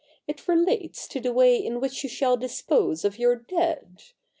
It relates to the way in which you shall dispose of your dead.